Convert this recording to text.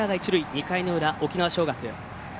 ２回の裏、沖縄尚学。